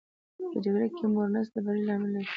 په جګړه کې که موړ نس د بري لامل نه شي.